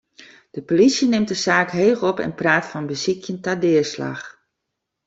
De plysje nimt de saak heech op en praat fan besykjen ta deaslach.